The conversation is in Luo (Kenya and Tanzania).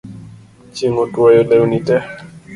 Chieng' otwoyo lewni tee